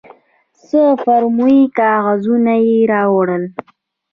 څه فورمې کاغذونه یې راوړل.